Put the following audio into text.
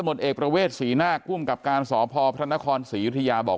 ตมนต์เอกประเวทศรีนาคกลุ้มกับการสภพพระนครศรียุธิยาบอก